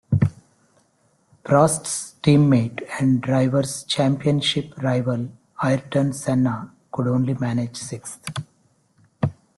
Prost's teammate and Drivers' Championship rival, Ayrton Senna, could only manage sixth.